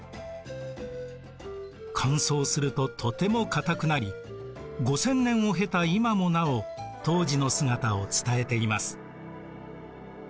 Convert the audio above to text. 乾燥するととても硬くなり５０００年を経た今もなお当時の姿を伝えています。